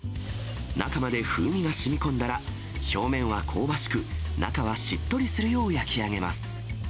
中まで風味がしみこんだら、表面は香ばしく、中はしっとりするよう焼き上げます。